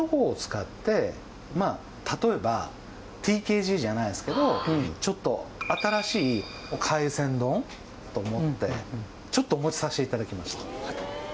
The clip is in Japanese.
例えばＴＫＧじゃないですけどちょっと新しい海鮮丼？と思ってちょっとお持ちさせていただきました